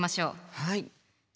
はい。